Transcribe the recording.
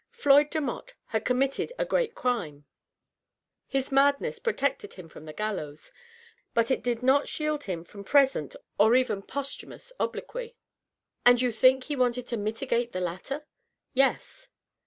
Floyd Demotte had committed a great crime; his madness protected him from the gallows, but it did not shield him from present or even post humous obloquy." " And you think he wanted to mitigate the latter?" "Yes."